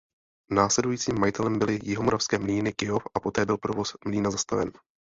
Následujícím majitelem byly Jihomoravské mlýny Kyjov a poté byl provoz mlýna zastaven.